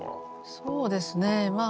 そうですねまあ